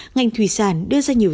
ngành thủy sản đưa ra nhiều